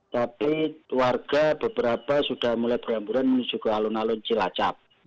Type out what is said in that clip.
tapi warga beberapa sudah mulai berhamburan menyusuk alun alun jelajap